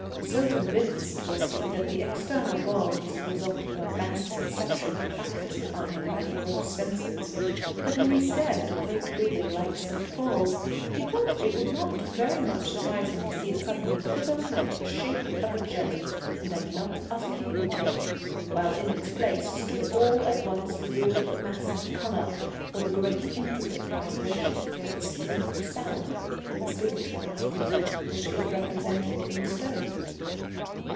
So convinced was he that the external world was the result of a vast deception practised upon him by the gross senses, that when he stared at a great building like St. Paul's he felt it would not very much surprise him to see it suddenly quiver like a shape of jelly and then melt utterly away, while in its place stood all at once revealed the mass of colour, or the great intricate vibrations, or the splendid sound the spiritual idea which it represented in stone.